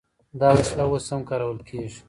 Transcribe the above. دا وسله اوس هم کارول کیږي.